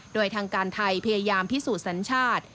โดยทางการไทยพยายามพิสูจน์สัญชาติ